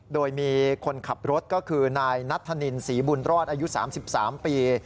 โดยมีคนขับรถก็คือนายนัทธนินศรีบุญรอดอายุ๓๓ปี